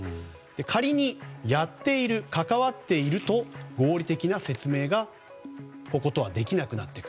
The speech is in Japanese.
仮に、やっている関わっていると合理的な説明ができなくなってくる。